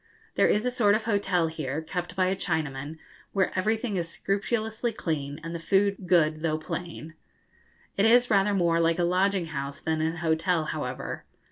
There is a sort of hotel here, kept by a Chinaman, where everything is scrupulously clean, and the food good though plain. It is rather more like a lodging house than an hotel, however.